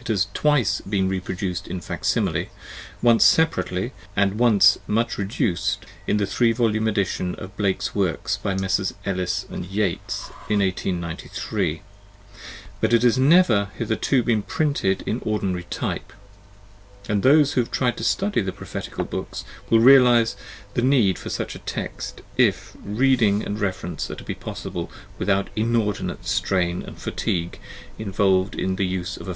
It has been twice reproduced in facsimile, once separately, and once (much reduced), in the three volume edition of Blake's works by Messrs. Ellis and Yeats in 1893, but it has never hitherto been printed in ordinary type; and those who have tried to study the Prophetical Books will realize the need for such a text if reading and reference are to be possible with out the inordinate strain and fatigue involved in the use of a.